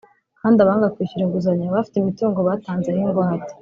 kandi abanga kwishyura inguzanyo baba bafite imitungo batanzeho ingwate